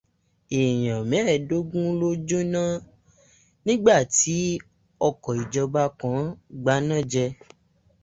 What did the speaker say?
Èèyàn mẹ́ẹ̀ẹ́dógún ló jóná nígbà tí ọkọ̀ ìjọba kan gbaná jẹ.